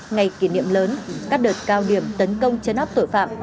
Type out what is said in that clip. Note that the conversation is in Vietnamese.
ngày kỷ niệm lớn các đợt cao điểm tấn công chấn áp tội phạm